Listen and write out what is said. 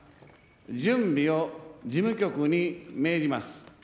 準備を事務局に命じます。